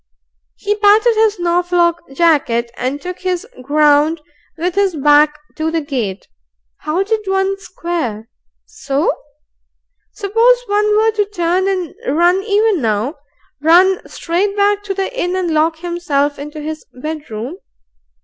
He patted his Norfolk jacket and took his ground with his back to the gate. How did one square? So? Suppose one were to turn and run even now, run straight back to the inn and lock himself into his bedroom?